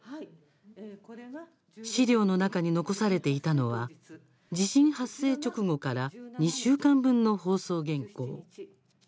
資料の中に残されていたのは地震発生直後から２週間分の放送原稿。